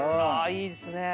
いいですね。